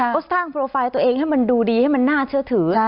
ก็สร้างโปรไฟล์ตัวเองให้มันดูดีให้มันน่าเชื่อถือ